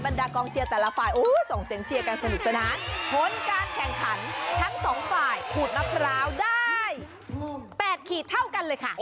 ทั้งสองฝ่ายขูดมะพร้าวได้๘ขีดเท่ากันเลยค่ะ